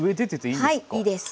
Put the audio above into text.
はいいいです。